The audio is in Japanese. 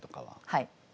はい。